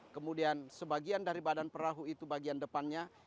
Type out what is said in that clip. kemudian sebagian dari badan perahu itu bagian depannya